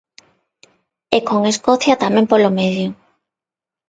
E con Escocia tamén polo medio.